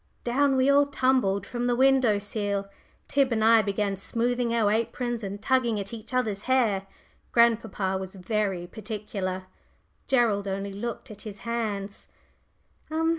Down we all tumbled from the window sill. Tib and I began smoothing our aprons and tugging at each other's hair grandpapa was very particular. Gerald only looked at his hands.